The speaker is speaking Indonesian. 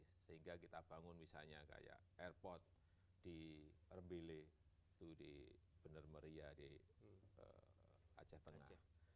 sehingga kita bangun misalnya kayak airport di erbile itu di benar meriah di aceh tengah